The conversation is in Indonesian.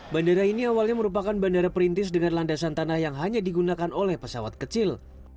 bandara ini awalnya merupakan bandara perintis dengan landasan tanah yang hanya digunakan oleh pesawat kecil